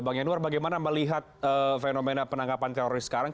bang yanuar bagaimana melihat fenomena penangkapan teroris sekarang